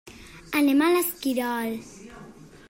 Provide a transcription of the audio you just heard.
Anem a l'Esquirol.